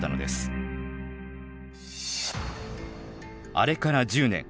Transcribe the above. あれから１０年。